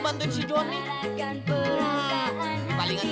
walaupun nggak lah guys